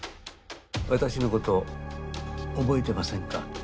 私のこと覚えてませんか？